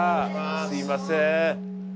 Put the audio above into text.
すみません。